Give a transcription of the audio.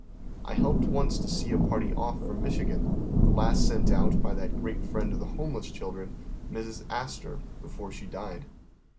I helped once to see a party off for Michigan, the last sent out by that great friend of the homeless children, Mrs. Astor, before she died.